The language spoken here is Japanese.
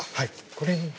これに。